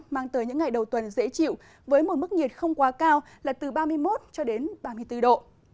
mang tới những ngày đầu tuần dễ chịu với một mức nhiệt không quá cao là từ ba mươi một cho đến ba mươi bốn độ